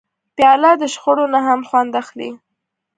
پیاله د شخړو نه هم خوند اخلي.